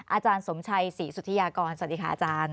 อาจารย์สมชัยศรีสุธิยากรสวัสดีค่ะอาจารย์